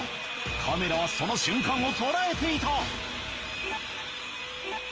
カメラはその瞬間をとらえていた！